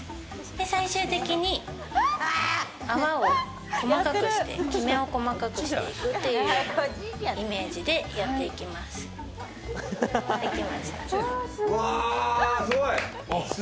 最終的に泡を細かくしてキメを細かくしていくというようなイメージでやっていきます。